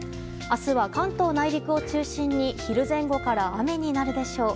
明日は関東内陸を中心に昼前後から雨になるでしょう。